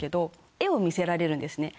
絵を見せられるんですね。